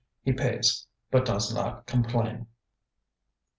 He pays, but does not complain.